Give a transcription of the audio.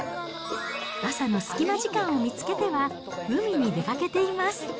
朝の隙間時間を見つけては、海に出かけています。